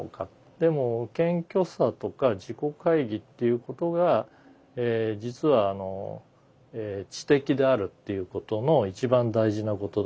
でも謙虚さとか自己懐疑っていうことが実は知的であるっていうことの一番大事なことだと思うわけです。